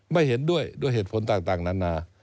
ไม่เห็นด้วยด้วยเหตุผลต่างนานา